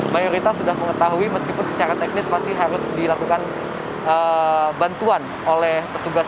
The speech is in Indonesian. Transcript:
mayoritas sudah mengetahui meskipun secara teknis masih harus dilakukan bantuan oleh petugas